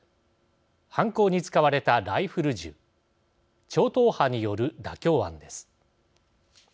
犯行に使われたライフル銃超党派による妥協案です。